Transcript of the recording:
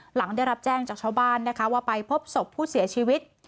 หลังได้รับแจ้งจากชาวบ้านนะคะว่าไปพบศพผู้เสียชีวิต